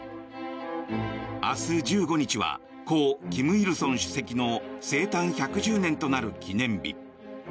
明日、１５日は故・金日成主席の生誕１１０年となる記念日。